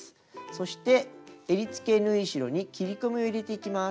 そしてえりつけ縫い代に切り込みを入れていきます。